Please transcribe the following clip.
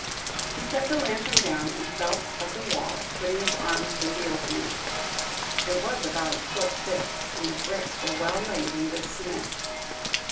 He set the lantern down and felt of the wall, putting his arm through the opening. It was about a foot thick, and the bricks were well laid, in good cement.